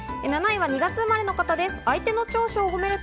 ７位は２月生まれの方です。